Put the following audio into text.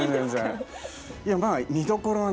いやまあ見どころはね